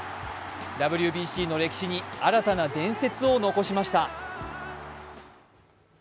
ＷＢＣの歴史に新たな伝説を残しました。